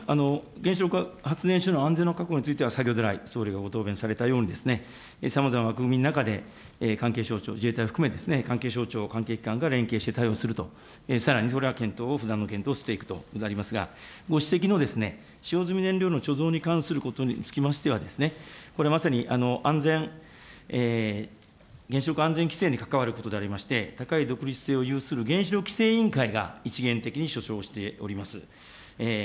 原子力発電所の安全の確保については、先ほど来、総理がご答弁されたようにさまざまなの中で、関係省庁、自衛隊含め、関係省庁、関係機関が連携して対応すると、さらに、を検討してしていくとありますが、ご指摘の使用済み燃料の貯蔵に関することにつきましては、これ、まさに安全、原子力安全規制に関わることでありまして、高い独立性を有する原子力規制委員会が、一元的にしております。